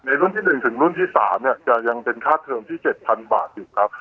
รุ่นที่๑ถึงรุ่นที่๓จะยังเป็นค่าเทอมที่๗๐๐บาทอยู่ครับ